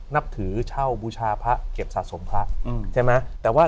นับถือเช่าบูชาพระเก็บสะสมพระใช่ไหมแต่ว่า